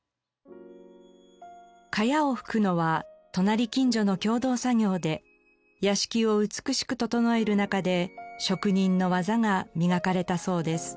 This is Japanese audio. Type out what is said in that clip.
茅を葺くのは隣近所の共同作業で屋敷を美しく整える中で職人の技が磨かれたそうです。